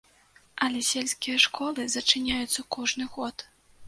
Але сельскія школы зачыняюцца кожны год.